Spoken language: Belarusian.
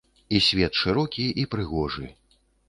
І свет шырокі і прыгожы.